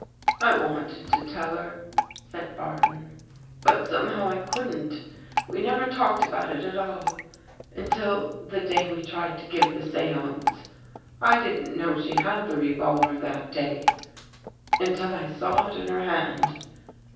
" I wanted to tell her," said Barton, '' but some how, I couldn't. We never talked about it at all, until the day we tried to give the seance. I didn't know she had the revolver that day, until I saw it in her hand.